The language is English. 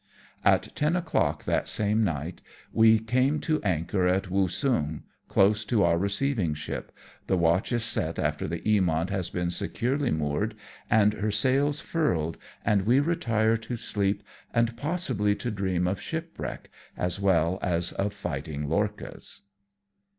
At ten o'clock that same night we came to anchor at Woosung, close to our receiving ship, the watch is set after the Eaniont has been securely moored and her sails furled, and we retire to sleep and possibly to dream of shipwreck as well as of fighting lorchas.